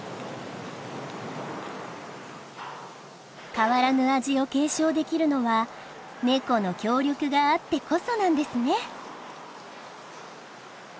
変わらぬ味を継承できるのはネコの協力があってこそなんですね。